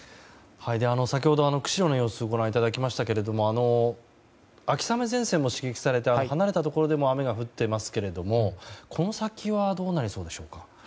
先ほど、釧路の様子をご覧いただきましたが秋雨前線が刺激されて離れたところでも雨が降っていますけどもこの先はどうなりそうでしょうか？